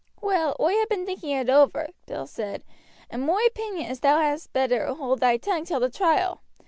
"Well, oi ha' been thinking it over," Bill said, "and moi opinion is thou had best hold thy tongue till the trial.